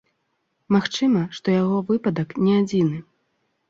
Магчыма, што яго выпадак не адзіны.